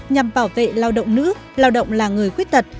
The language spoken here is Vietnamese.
nhằm bảo vệ lao động nữ lao động là người khuyết tật